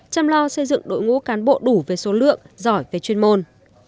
chăm lo xây dựng đội ngũ cán bộ đủ về số lượng giỏi về chuyên môn